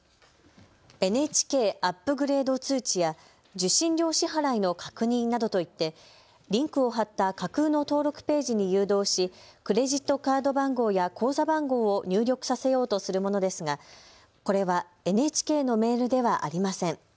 ＮＨＫアップグレード通知や受信料支払いの確認などといってリンクを貼った架空の登録ページに誘導しクレジットカード番号や口座番号を入力させようとするものですが、これはＮＨＫのメールではありません。